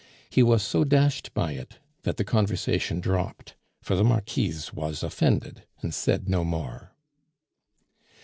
He was so dashed by it, that the conversation dropped, for the Marquise was offended, and said no more.